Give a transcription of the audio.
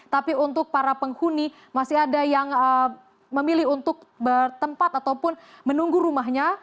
tapi untuk para penghuni masih ada yang memilih untuk bertempat ataupun menunggu rumahnya